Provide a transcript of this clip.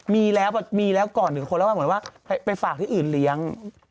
มีแล้วมีแล้วก่อน๑คนแล้วเหมือนว่าไปฝากที่อื่นเลี้ยง